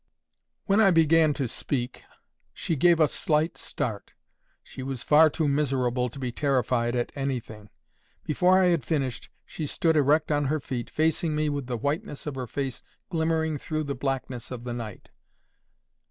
When I began to speak, she gave a slight start: she was far too miserable to be terrified at anything. Before I had finished, she stood erect on her feet, facing me with the whiteness of her face glimmering through the blackness of the night.